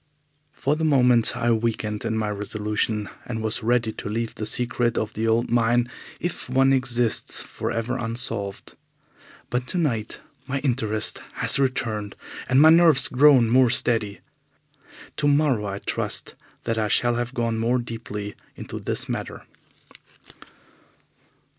For the moment I weakened in my resolution, and was ready to leave the secret of the old mine, if one exists, for ever unsolved. But tonight my interest has returned and my nerves grown more steady. Tomorrow I trust that I shall have gone more deeply into this matter.